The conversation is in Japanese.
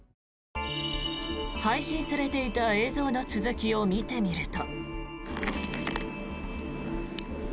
配信されていた映像の続きを見てみると。